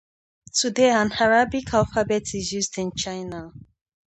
Today an Arabic alphabet is used in China.